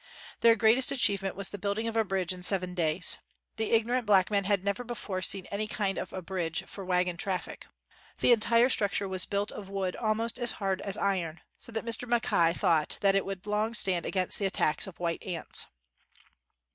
Their greatest achievement was the build ing of a bridge in seven days. The ignorant black men had never before seen any kind of a bridge for wagon traffic. The entire structure was built of wood almost as hard as iron so that Mr. Mackay thought that it would long stand against the attacks of white ants.